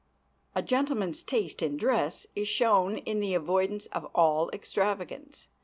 A gentleman's taste in dress is shown in the avoidance of all extravagance.